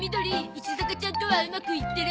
石坂ちゃんとはうまくいってる？